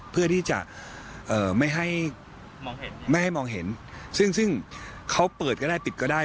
เพื่อที่จะไม่ให้ไม่ให้มองเห็นซึ่งซึ่งเขาเปิดก็ได้ปิดก็ได้